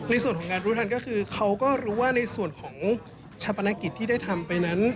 ในส่วนของงานรู้ทันก็คือเขาก็รู้ว่าในส่วนของชาปนกิจที่ได้ทำไปนั้น